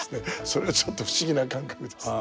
それがちょっと不思議な感覚です。